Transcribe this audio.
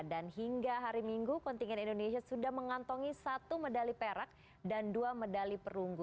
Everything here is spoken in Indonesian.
dan hingga hari minggu kontingen indonesia sudah mengantongi satu medali perak dan dua medali perunggu